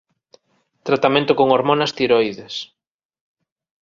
Tratamento con hormonas tiroides